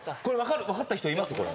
⁉これ分かった人います？